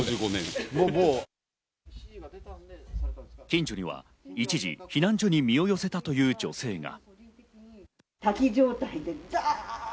近所には一時、避難所に身を寄せたという女性が。